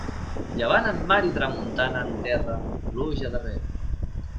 Llevant en mar i tramuntana en terra, pluja darrera.